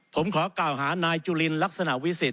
ผมขอเก้าหาท่านในเจภัณฑ์ลักษณะวิสิต